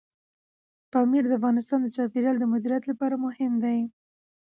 پامیر د افغانستان د چاپیریال د مدیریت لپاره مهم دي.